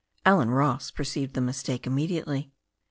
Allen Ross perceived the mistake immediately.